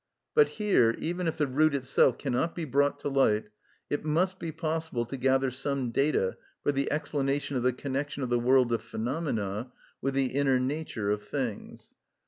But here, even if the root itself cannot be brought to light, it must be possible to gather some data for the explanation of the connection of the world of phenomena with the inner nature of things.